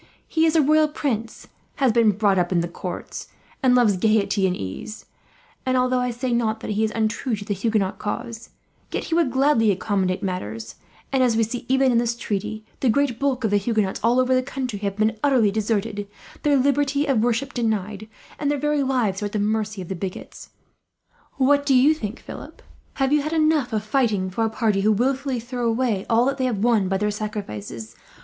He is a royal prince, has been brought up in courts, and loves gaiety and ease; and although I say not that he is untrue to the Huguenot cause, yet he would gladly accommodate matters; and as we see, even in this treaty, the great bulk of the Huguenots all over the country have been utterly deserted, their liberty of worship denied, and their very lives are at the mercy of the bigots. "What do you think, Philip? Have you had enough of fighting for a party who wilfully throw away all that they have won by their sacrifices?